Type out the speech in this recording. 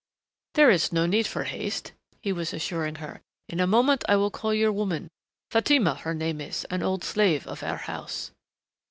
"There is no need for haste," he was assuring her. "In a moment I will call your woman. Fatima, her name is, an old slave of our house."